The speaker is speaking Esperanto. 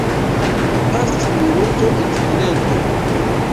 Pasis minuto en silento.